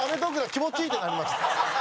気持ちいい」ってなりました。